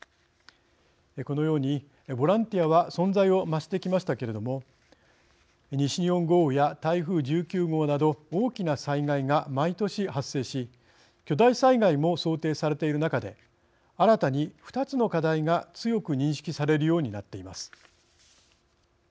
このように、ボランティアは存在を増してきましたけれども西日本豪雨や台風１９号など大きな災害が毎年、発生し巨大災害も想定されている中で新たに、２つの課題が強く認識されるようになっています。